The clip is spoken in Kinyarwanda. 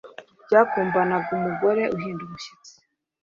ryakumbanaga umugore uhinda umushyitsi,